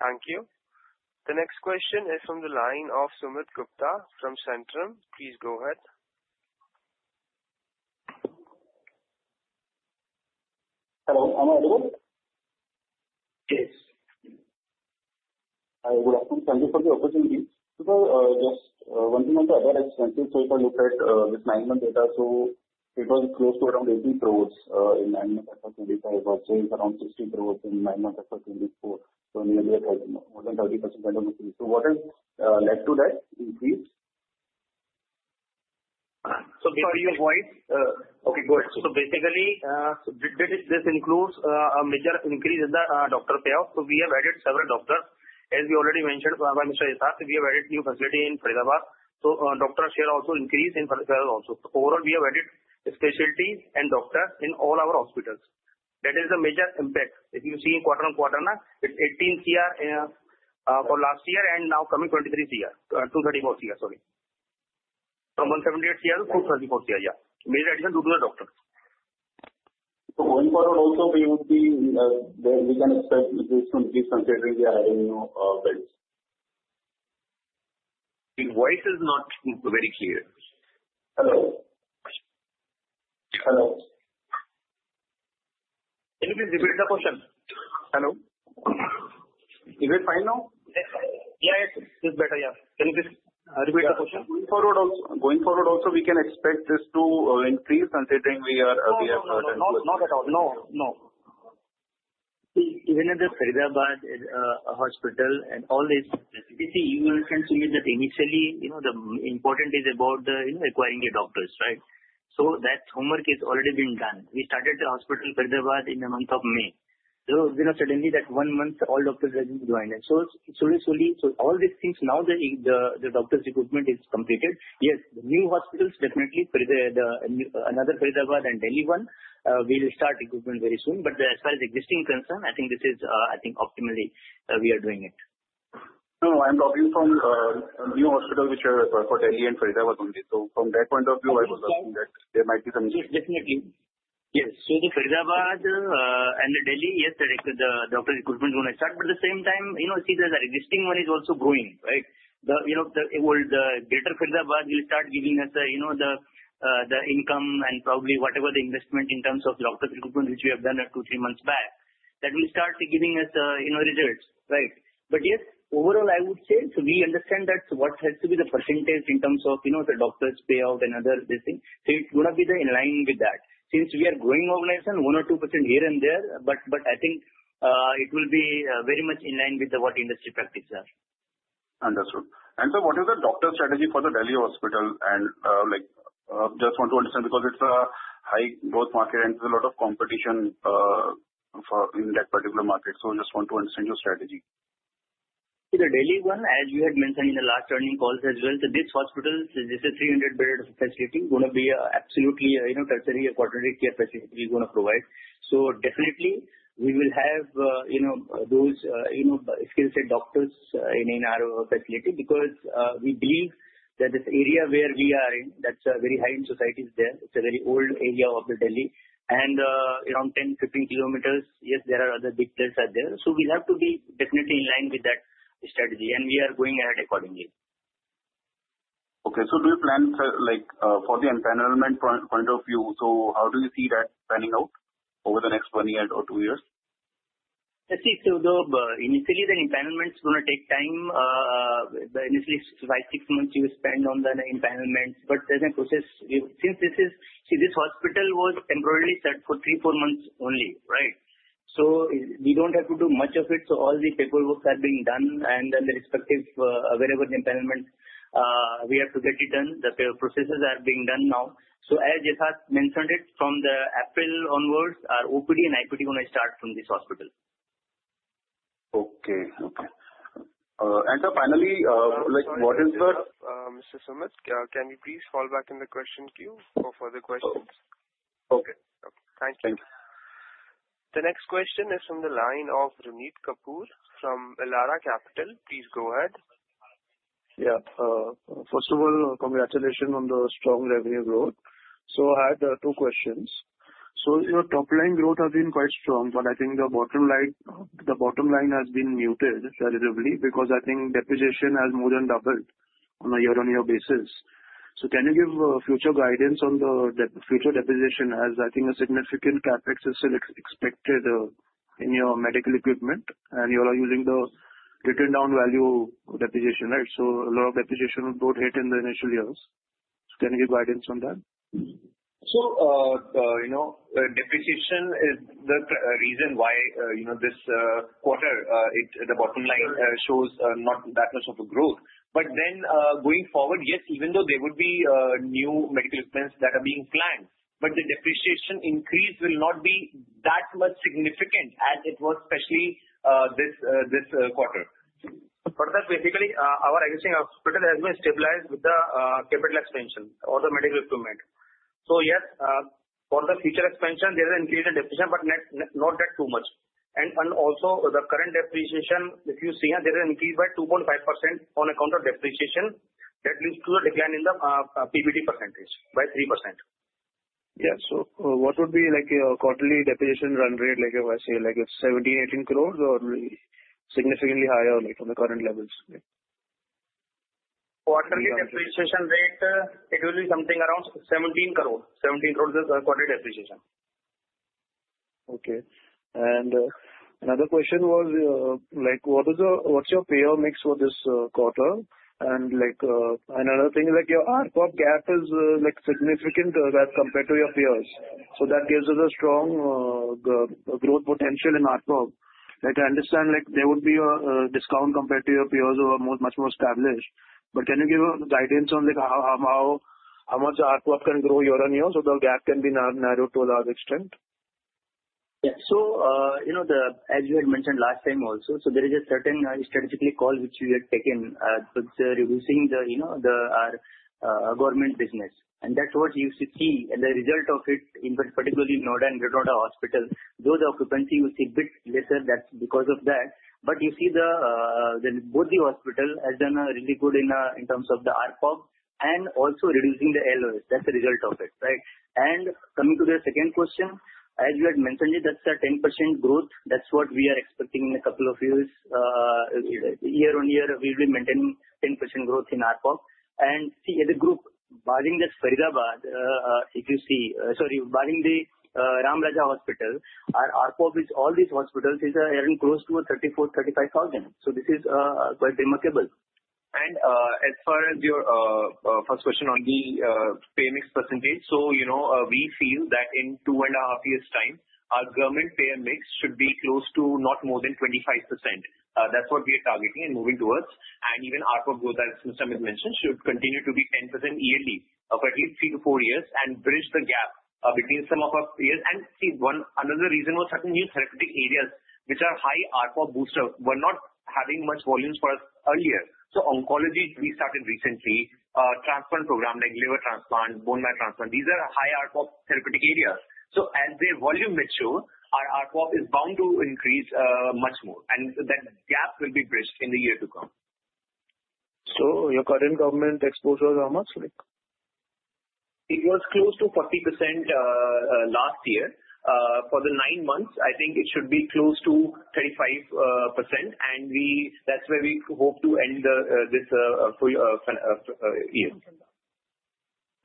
Thank you. The next question is from the line of Sumit Gupta from Centrum. Please go ahead. Hello. Am I audible? Yes. I would like to thank you for the opportunity. Just one thing on the other expenses, so if I look at this management EBITDA, so it was close to around 80 crores in management EBITDA 25, also around 60 crores in management EBITDA 24. Nearly more than 30% increase. What has led to that increase? Before you voice. Okay. Go ahead. So basically, this includes a major increase in the doctor payout. So we have added several doctors. As we already mentioned by Mr. Yatharth Tyagi, we have added new facility in Faridabad. So doctors share also increase in Faridabad also. So overall, we have added specialties and doctors in all our hospitals. That is the major impact. If you see quarter on quarter, it's 18 crore for last year and now coming 23 crore. 234 crore, sorry. From 178 crore to 234 crore, yeah. Major addition due to the doctors. Going forward also, we can expect increase considering we are adding new beds. The voice is not very clear. Hello. Hello. Can you please repeat the question? Hello. Is it fine now? Yeah. It's better. Yeah. Can you please repeat the question? Going forward also, we can expect this to increase considering we are not at all. Not at all. No. No. Even in the Faridabad hospital and all this, you will find, Sumit, that initially, the important is about acquiring the doctors, right? So that homework is already being done. We started the hospital Faridabad in the month of May. So suddenly, that one month, all doctors have been joined. So slowly, slowly, so all these things, now the doctor's equipment is completed. Yes, the new hospitals definitely another Faridabad and Delhi one will start equipment very soon. But as far as existing concern, I think this is, I think, optimally we are doing it. No. I'm talking from new hospital which are for Delhi and Faridabad only, so from that point of view, I was asking that there might be some. Yes. Definitely. Yes. So the Faridabad and the Delhi, yes, the doctor's equipment is going to start. But at the same time, see, the existing one is also growing, right? The old Greater Faridabad will start giving us the income and probably whatever the investment in terms of doctor's equipment, which we have done two or three months back, that will start giving us results, right? But yes, overall, I would say, so we understand that what has to be the percentage in terms of the doctor's payout and other these things. So it's going to be in line with that. Since we are growing organization, 1% or 2% here and there, but I think it will be very much in line with what industry practices are. Understood. And so what is the doctor's strategy for the Delhi hospital? And just want to understand because it's a high growth market and there's a lot of competition in that particular market. So just want to understand your strategy. The Delhi one, as you had mentioned in the last earnings calls as well, so this hospital, this is 300-bedded facility, going to be absolutely tertiary quaternary care facility we're going to provide. So definitely, we will have those skilled doctors in our facility because we believe that this area where we are in, that's very high in society there. It's a very old area of Delhi, and around 10km, 15km, yes, there are other big players out there. So we have to be definitely in line with that strategy, and we are going ahead accordingly. Okay. So do you plan for the entitlement point of view? So how do you see that planning out over the next one year or two years? Let's see. So initially, the entitlement is going to take time. Initially, five, six months you spend on the entitlement. But there's a process. Since this hospital was temporarily set for three, four months only, right? So we don't have to do much of it. So all the paperwork has been done. And then the respective wherever the entitlement, we have to get it done. The processes are being done now. So as Yatharth mentioned, from April onwards, our OPD and IPD are going to start from this hospital. Okay. And finally, what is the. Mr. Sumit, can you please fall back in the question queue for further questions? Okay. Okay. Thank you. Thank you. The next question is from the line of Ranvir Kapoor from Elara Capital. Please go ahead. Yeah. First of all, congratulations on the strong revenue growth. So I had two questions. So your top-line growth has been quite strong, but I think the bottom line has been muted relatively because I think depreciation has more than doubled on a year-on-year basis. So can you give future guidance on the future depreciation as I think a significant CapEx is still expected in your medical equipment, and you are using the written-down value depreciation, right? So a lot of depreciation would go ahead in the initial years. So can you give guidance on that? Depreciation is the reason why this quarter, the bottom line shows not that much of a growth. But then going forward, yes, even though there would be new medical equipment that is being planned, but the depreciation increase will not be that much significant as it was especially this quarter. But that's basically our existing hospital has been stabilized with the capital expansion of the medical equipment. So yes, for the future expansion, there is an increase in depreciation, but not that too much. And also, the current depreciation, if you see here, there is an increase by 2.5% on account of depreciation. That leads to a decline in the PBT percentage by 3%. Yeah. So what would be your quarterly depreciation run rate, like I say, like 17-18 crores or significantly higher on the current levels? Quarterly depreciation rate, it will be something around 17 crores. 17 crores is a quarterly depreciation. Okay. And another question was, what's your payor mix for this quarter? And another thing is your ARPOB gap is significant as compared to your peers. So that gives us a strong growth potential in ARPOB. I understand there would be a discount compared to your peers who are much more established. But can you give guidance on how much ARPOB can grow year on year so the gap can be narrowed to a large extent? Yeah. As you had mentioned last time also, so there is a certain strategic call which we had taken with reducing our government business. And that's what you see. And the result of it, particularly in Noida Greater Noida Hospital, those occupancies will see a bit lesser because of that. But you see both the hospitals have done really good in terms of the ARPOB and also reducing the LOS. That's the result of it, right? And coming to the second question, as you had mentioned, that's a 10% growth. That's what we are expecting in a couple of years. Year on year, we will be maintaining 10% growth in ARPOB. And see, as a group, barring this Faridabad, if you see sorry, barring the Ramraja Hospital, our ARPOB with all these hospitals is around close to 34,000-35,000. So this is quite remarkable. As far as your first question on the pay mix percentage, we feel that in two and a half years' time, our government pay mix should be close to not more than 25%. That's what we are targeting and moving towards. Even ARPA growth, as Mr. Sumit mentioned, should continue to be 10% yearly for at least three to four years and bridge the gap between some of our peers. See, another reason was certain new therapeutic areas which are high ARPA booster were not having much volumes for us earlier. Oncology, we started recently, transplant program like liver transplant, bone marrow transplant. These are high ARPA therapeutic areas. As their volume mature, our ARPA is bound to increase much more. That gap will be bridged in the year to come. Your current government exposure is how much? It was close to 40% last year. For the nine months, I think it should be close to 35%. And that's where we hope to end this year.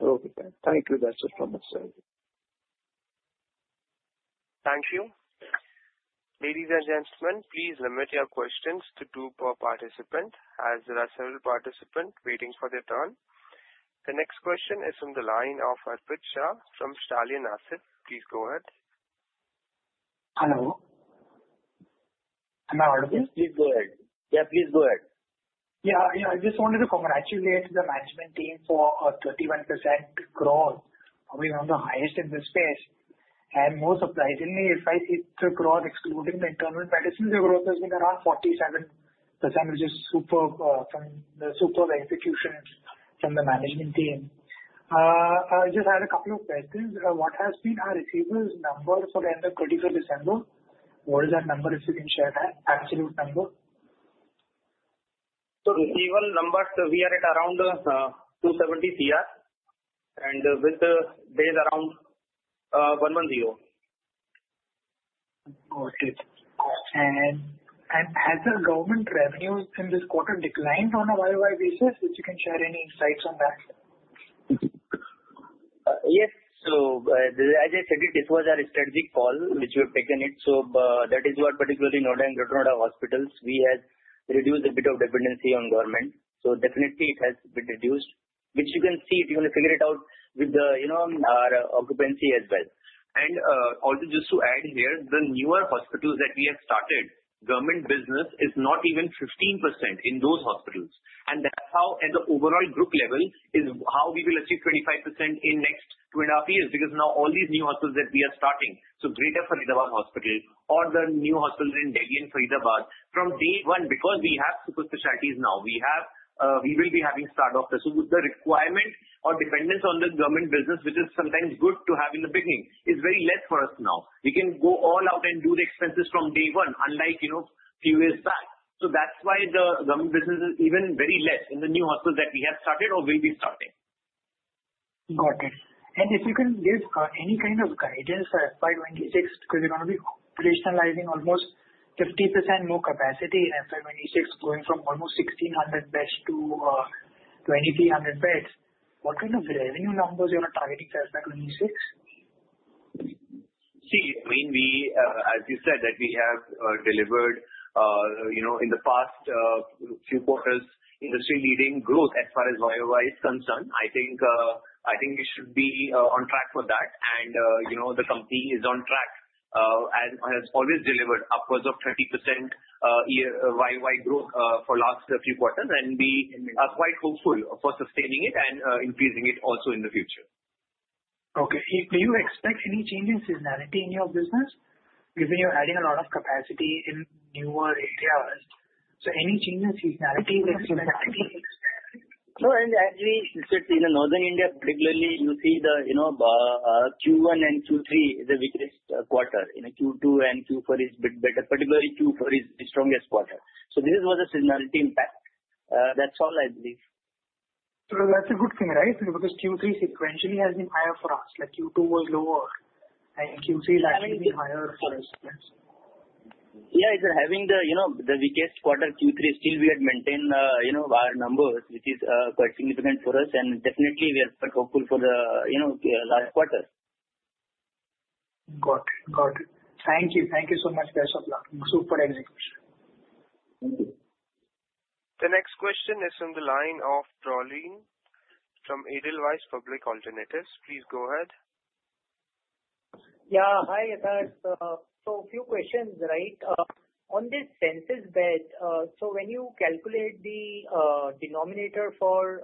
Okay. Thank you. That's it from my side. Thank you. Ladies and gentlemen, please limit your questions to two per participant as there are several participants waiting for their turn. The next question is from the line of Harpreet Singh from Stallion Asset. Please go ahead. Hello. Am I audible? Yes, please go ahead. Yeah. Yeah. I just wanted to congratulate the management team for a 31% growth. We are one of the highest in this space. And most surprisingly, if I see the growth excluding the indemnity, the growth has been around 47%, which is superb from the superb execution from the management team. I just had a couple of questions. What has been our revenue number for the end of 31st December? What is that number, if you can share that absolute number? So, revenue number, we are at around 270 CR and with the base around 110. Got it. And has the government revenue in this quarter declined on a YoY basis? If you can share any insights on that. Yes. So as I said, this was our strategic call, which we have taken it. So that is what particularly Noida, Greater Noida Hospitals, we have reduced a bit of dependency on government. So definitely, it has been reduced, which you can see if you want to figure it out with our occupancy as well. And also just to add here, the newer hospitals that we have started, government business is not even 15% in those hospitals. And that's how at the overall group level is how we will achieve 25% in next two and a half years because now all these new hospitals that we are starting, so Greater Faridabad Hospital or the new hospitals in Delhi and Faridabad, from day one, because we have super specialties now, we will be having start-off. So the requirement or dependence on the government business, which is sometimes good to have in the beginning, is very less for us now. We can go all out and do the expenses from day one, unlike a few years back. So that's why the government business is even very less in the new hospitals that we have started or will be starting. Got it. And if you can give any kind of guidance for FY 2026 because we're going to be operationalizing almost 50% more capacity in FY 2026, going from almost 1,600 beds-2,300 beds, what kind of revenue numbers you are targeting for FY 2026? See, I mean, as you said, that we have delivered in the past few quarters, industry-leading growth as far as YoY is concerned. I think we should be on track for that, and the company is on track and has always delivered upwards of 20% YoY growth for the last few quarters, and we are quite hopeful for sustaining it and increasing it also in the future. Okay. Do you expect any changing seasonality in your business given you're adding a lot of capacity in newer areas? So any changing seasonality in the seasonality? No. And as we sit in Northern India, particularly, you see the Q1 and Q3 is the weakest quarter. Q2 and Q4 is a bit better. Particularly, Q4 is the strongest quarter. So this was a seasonality impact. That's all I believe. So that's a good thing, right? Because Q3 sequentially has been higher for us. Q2 was lower. And Q3 is actually higher for us. Yeah. Having the weakest quarter, Q3, still we had maintained our numbers, which is quite significant for us, and definitely, we are quite hopeful for the last quarter. Got it. Got it. Thank you. Thank you so much, Yatharth. Super execution. Thank you. The next question is from the line of Parin Gala from Edelweiss Alternatives. Please go ahead. Yeah. Hi, Yatharth. So a few questions, right? On this census bed, so when you calculate the denominator for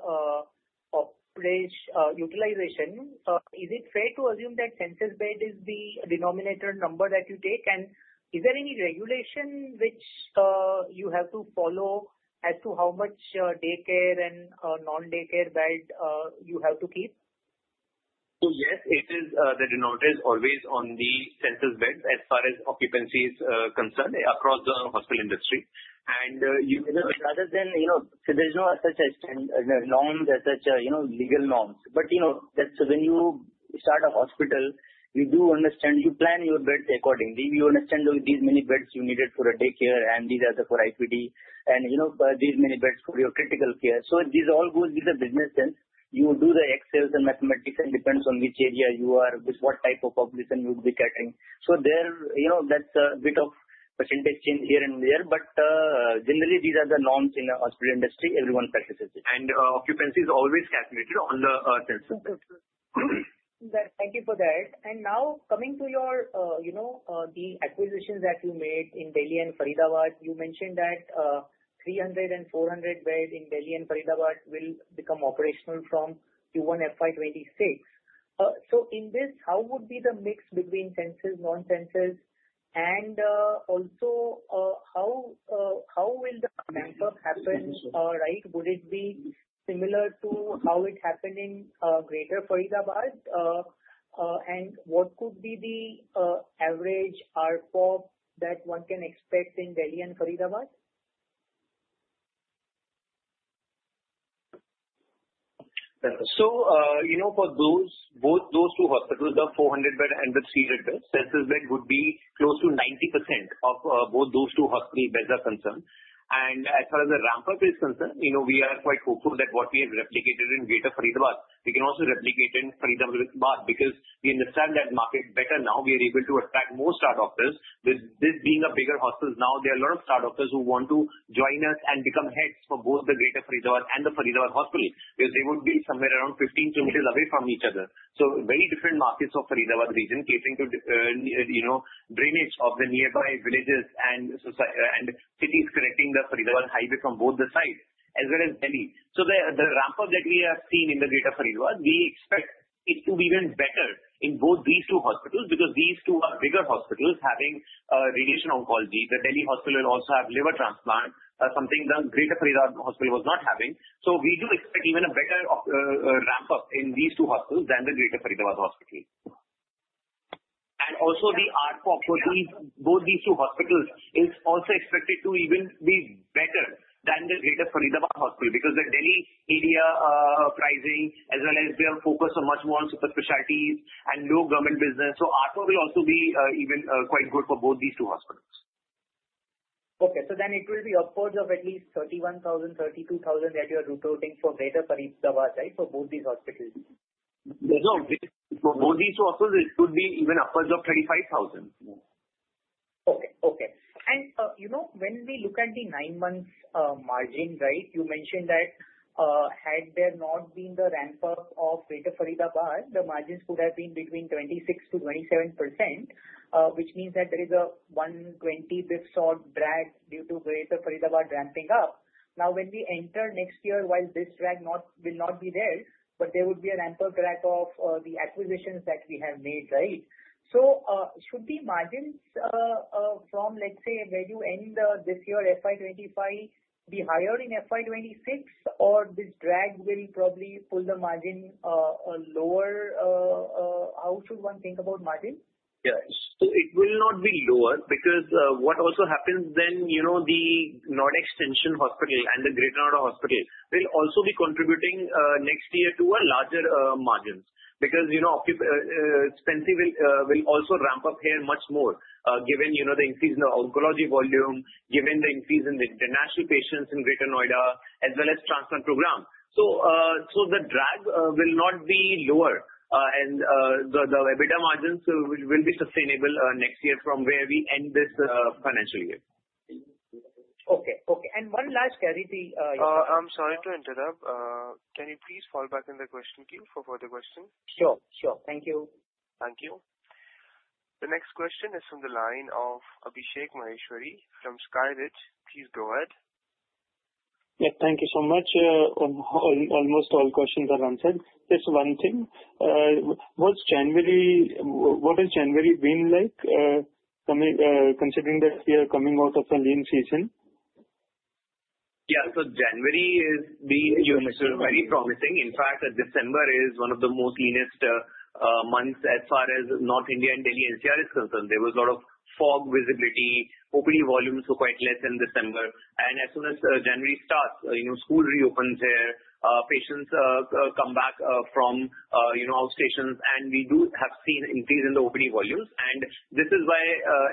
operational utilization, is it fair to assume that census bed is the denominator number that you take? And is there any regulation which you have to follow as to how much daycare and non-daycare bed you have to keep? So yes, the denominator is always on the census bed as far as occupancy is concerned across the hospital industry. And rather than so there's no such law, such legal norms. But when you start a hospital, you do understand you plan your beds accordingly. You understand these many beds you needed for daycare and these are for IPD and these many beds for your critical care. So this all goes with the business sense. You do the Excel and mathematics and it depends on which area you are, with what type of population you would be catering, so that's a bit of percentage change here and there, but generally, these are the norms in the hospital industry. Everyone practices it, and occupancy is always calculated on the census. Thank you for that. Now coming to the acquisitions that you made in Delhi and Faridabad, you mentioned that 300 and 400 beds in Delhi and Faridabad will become operational from Q1 FY 26. So in this, how would be the mix between census, non-census, and also how will the ramp-up happen, right? Would it be similar to how it happened in Greater Faridabad? And what could be the average ARPOB that one can expect in Delhi and Faridabad? For both those two hospitals, the 400-bed and the 300-bed, census bed would be close to 90%, as far as both those two hospitals are concerned. As far as the ramp-up is concerned, we are quite hopeful that what we have replicated in Greater Faridabad, we can also replicate in Faridabad because we understand that market better now. We are able to attract more super specialists. With this being a bigger hospital now, there are a lot of super specialists who want to join us and become heads for both the Greater Faridabad and the Faridabad hospital because they would be somewhere around 15 km away from each other. Very different markets of Faridabad region catering to drainage of the nearby villages and cities connecting the Faridabad highway from both the sides, as well as Delhi. The ramp-up that we have seen in the Greater Faridabad, we expect it to be even better in both these two hospitals because these two are bigger hospitals having radiation oncology. The Delhi hospital will also have liver transplant, something the Greater Faridabad hospital was not having. We do expect even a better ramp-up in these two hospitals than the Greater Faridabad hospital. And also the ARPOB for both these two hospitals is also expected to even be better than the Greater Faridabad hospital because the Delhi area pricing, as well as their focus on much more on super specialties and low government business. ARPOB will also be even quite good for both these two hospitals. Okay, so then it will be upwards of at least 31,000, 32,000 that you are reporting for Greater Faridabad, right, for both these hospitals? No. For both these two hospitals, it could be even upwards of 35,000. Okay. Okay. And when we look at the nine-month margin, right, you mentioned that had there not been the ramp-up of Greater Faridabad, the margins could have been between 26%-27%, which means that there is a 120 basis point drag due to Greater Faridabad ramping up. Now, when we enter next year, while this drag will not be there, but there would be a ramp-up drag of the acquisitions that we have made, right? So should the margins from, let's say, when you end this year FY 2025, be higher in FY 2026, or this drag will probably pull the margin lower? How should one think about margin? Yeah. So it will not be lower because what also happens then, the Noida Extension Hospital and the Greater Noida Hospital will also be contributing next year to a larger margin because expenses will also ramp up here much more given the increase in the oncology volume, given the increase in the international patients in Greater Noida, as well as transplant program. So the drag will not be lower. And the EBITDA margins will be sustainable next year from where we end this financial year. Okay. Okay. And one last clarity, Yatharth. I'm sorry to interrupt. Can you please fall back in the question queue for further questions? Sure. Sure. Thank you. Thank you. The next question is from the line of Abhishek Maheshwari from SkyRidge. Please go ahead. Yeah. Thank you so much. Almost all questions are answered. Just one thing. What has January been like considering that we are coming out of a lean season? Yeah. So January is very promising. In fact, December is one of the most leanest months as far as North India and Delhi NCR is concerned. There was a lot of fog visibility. OPD volumes were quite less in December. And as soon as January starts, school reopens here, patients come back from outstations, and we do have seen an increase in the OPD volumes. And this is why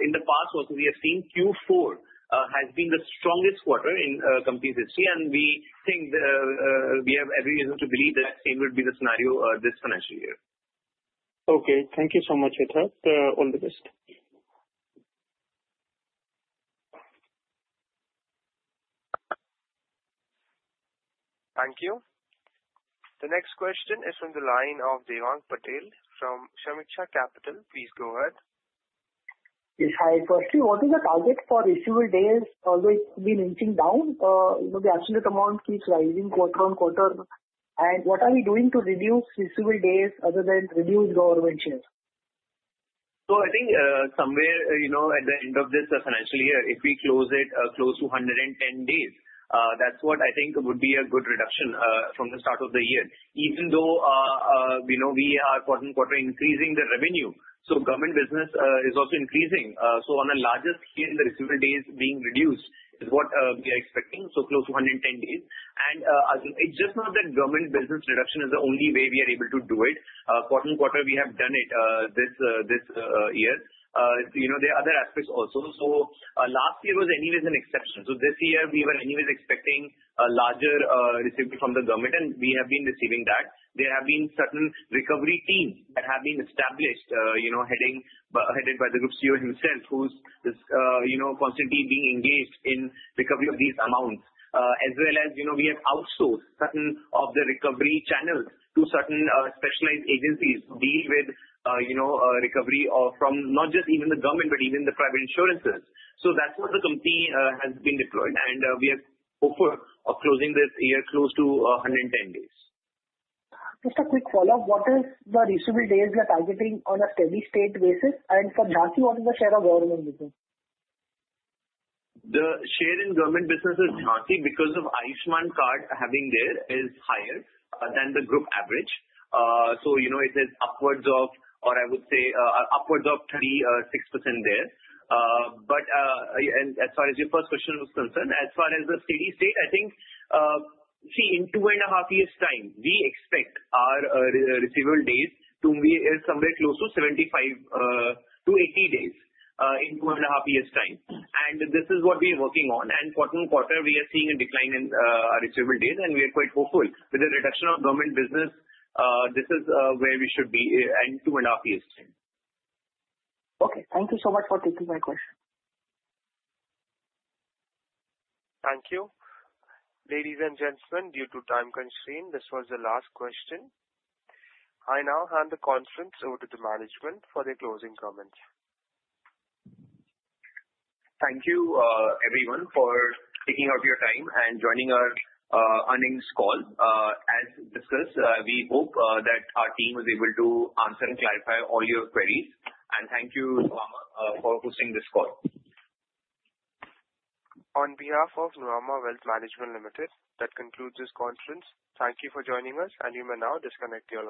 in the past, we have seen Q4 has been the strongest quarter in the company's history. And we think we have every reason to believe that same would be the scenario this financial year. Okay. Thank you so much, Yatharth. All the best. Thank you. The next question is from the line of Devang Patel from Sameeksha Capital. Please go ahead. Yes. Hi, firstly, what is the target for receivable days? Although it's been inching down, the absolute amount keeps rising quarter on quarter, and what are we doing to reduce receivable days other than reduce government share? I think somewhere at the end of this financial year, if we close it close to 110 days, that's what I think would be a good reduction from the start of the year. Even though we are quarter on quarter increasing the revenue, so government business is also increasing. On the largest scale, the receivable days being reduced is what we are expecting, so close to 110 days. It's just not that government business reduction is the only way we are able to do it. Quarter on quarter, we have done it this year. There are other aspects also. Last year was anyways an exception. This year, we were anyways expecting a larger receivable from the government, and we have been receiving that. There have been certain recovery teams that have been established, headed by the Group CEO himself, who's constantly being engaged in recovery of these amounts, as well as we have outsourced certain of the recovery channels to certain specialized agencies to deal with recovery from not just even the government, but even the private insurances. That's what the company has been deployed. We have hope of closing this year close to 110 days. Just a quick follow-up. What is the receivable days you are targeting on a steady-state basis? And for Jhansi, what is the share of government business? The share in government businesses in Jhansi because of Ayushman Card having there is higher than the group average. So it is upwards of, or I would say, upwards of 36% there. But as far as your first question was concerned, as far as the steady state, I think, see, in two and a half years' time, we expect our receivable days to be somewhere close to 75-80 days in two and a half years' time. And this is what we are working on. And quarter on quarter, we are seeing a decline in our receivable days. And we are quite hopeful. With the reduction of government business, this is where we should be in two and a half years' time. Okay. Thank you so much for taking my question. Thank you. Ladies and gentlemen, due to time constraint, this was the last question. I now hand the conference over to the management for their closing comments. Thank you, everyone, for taking out your time and joining our earnings call. As discussed, we hope that our team was able to answer and clarify all your queries. And thank you, Nuvama, for hosting this call. On behalf of Nuvama Wealth Management Limited, that concludes this conference. Thank you for joining us, and you may now disconnect your line.